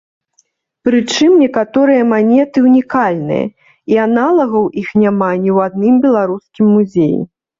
Прычым некаторыя манеты ўнікальныя і аналагаў іх няма ні ў адным беларускім музеі.